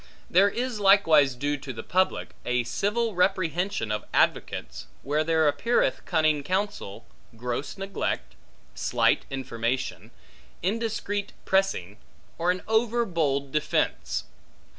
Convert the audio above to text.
There is likewise due to the public, a civil reprehension of advocates, where there appeareth cunning counsel, gross neglect, slight information, indiscreet pressing, or an overbold defence.